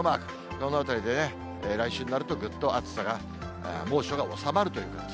このあたりでね、来週になると、ぐっと暑さが、猛暑が収まるという感じ。